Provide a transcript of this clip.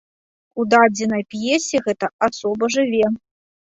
У дадзенай п'есе гэта асоба жыве.